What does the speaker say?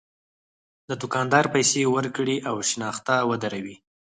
د دوکاندار پیسې ورکړي او شنخته ودروي.